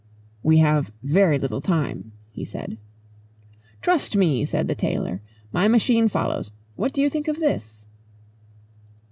"We have very little time," he said. "Trust me," said the tailor. "My machine follows. What do you think of this?"